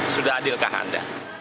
sudah adil kah anda